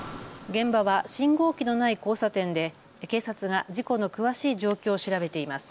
現場は信号機のない交差点で警察が事故の詳しい状況を調べています。